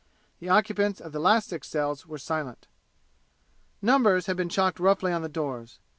The occupants of the last six cells were silent. Numbers had been chalked roughly on the doors.